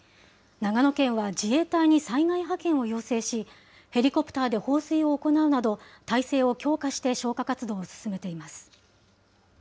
長野県は自衛隊に災害派遣を要請し、ヘリコプターで放水を行うなど、態勢を強化して消火活動を進めています。